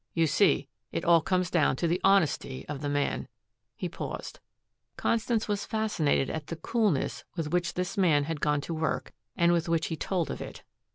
You see, it all comes down to the honesty of the man." He paused. Constance was fascinated at the coolness with which this man had gone to work, and with which he told of it.